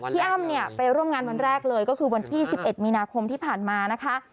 อ้ำเนี่ยไปร่วมงานวันแรกเลยก็คือวันที่๑๑มีนาคมที่ผ่านมานะคะ